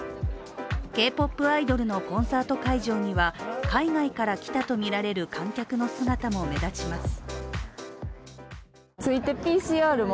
Ｋ−ＰＯＰアイドルのコンサート会場には海外から来たとみられる観客の姿も目立ちます